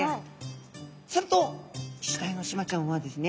するとイシダイのシマちゃんはですね